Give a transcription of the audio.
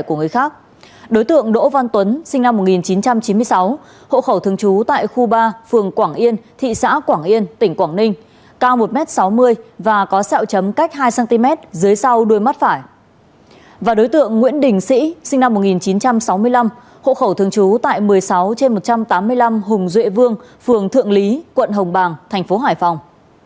và đối tượng nguyễn đình sĩ sinh năm một nghìn chín trăm sáu mươi năm hộ khẩu thường trú tại một mươi sáu trên một trăm tám mươi năm hùng duệ vương phường thượng lý quận hồng bàng tp hải phòng